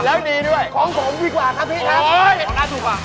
แล้วดีด้วยของผมดีกว่าครับพี่ครับของน่าถูกกว่า